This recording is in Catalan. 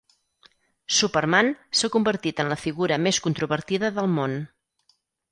Superman s'ha convertit en la figura més controvertida del món.